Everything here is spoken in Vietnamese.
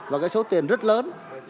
và cái số tiền rất lớn